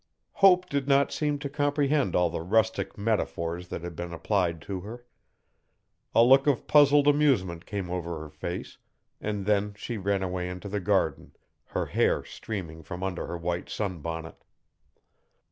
Hope did not seem to comprehend all the rustic metaphors that had been applied to her. A look of puzzled amusement came over her face, and then she ran away into the garden, her hair streaming from under her white sun bonnet.